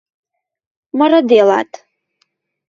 Мырыделат